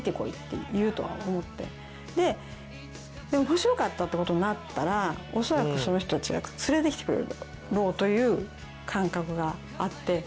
面白かったって事になったら恐らくその人たちが連れてきてくれるだろうという感覚があって。